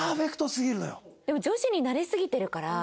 でも女子に慣れすぎてるから。